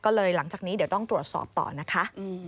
ก็เลยหลังจากนี้เดี๋ยวต้องตรวจสอบต่อนะคะ